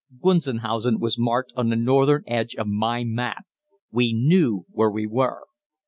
Gunzenhausen was marked on the northern edge of my map. We knew where we were.